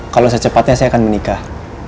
kalau secepatnya saya akan menikah